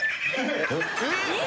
えっ？